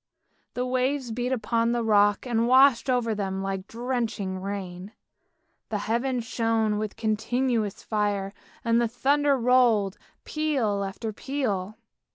The waves beat upon the rock, and washed over them like drenching rain. The heaven shone with continuous fire, and the thunder rolled, peal upon peal.